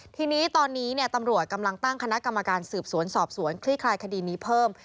ทีนี้ตอนนี้ตำรวจกำลังตั้งคณะกรรมการสืบสวนสอบสวนคลี่คลายคดีนี้เพิ่ม